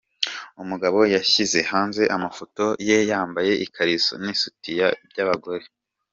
Umugabo yashyize hanze amafoto ye yambaye ikariso n’isutiya by’abagore.